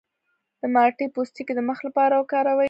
د مالټې پوستکی د مخ لپاره وکاروئ